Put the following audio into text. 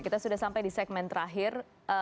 kita sudah sampai di segmen terakhir